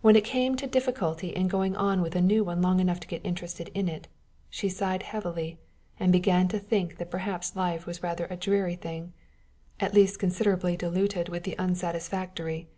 When it came to difficulty in going on with a new one long enough to get interested in it, she sighed heavily, and began to think that perhaps life was rather a dreary thing at least considerably diluted with the unsatisfactory.